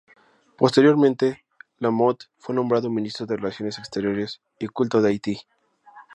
Posteriormente, Lamothe fue nombrado Ministro de Relaciones Exteriores y Culto de Haití.